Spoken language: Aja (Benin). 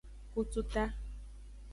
Kututa.